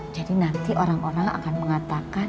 jadi nanti orang orang akan mengatakan